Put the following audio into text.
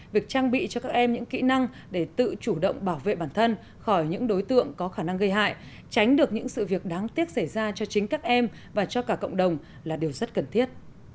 việc trang bị cho các em những kỹ năng để tự chủ động bảo vệ bản thân khỏi những đối tượng có khả năng gây hại tránh được những sự việc đáng tiếc xảy ra cho chính các em và cho cả cộng đồng là điều rất cần thiết